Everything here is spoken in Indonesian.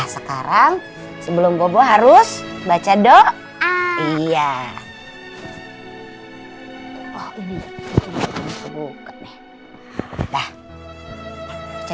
sekarang sebelum bobo harus baca doa iya